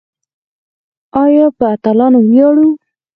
آیا په اتلانو ویاړو؟